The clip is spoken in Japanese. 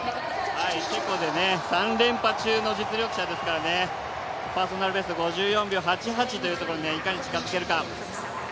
チェコで３連覇中の実力者ですからねパーソナルベスト５３秒８８というところにいかに近づけるか。